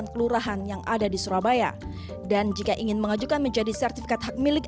kelurahan yang ada di surabaya dan jika ingin mengajukan menjadi sertifikat hak milik